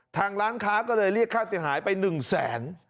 ทางร้านค้าก็เลยเรียกค่าเสียหายไป๑แสน